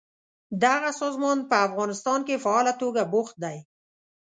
دغه سازمان په افغانستان کې فعاله توګه بوخت دی.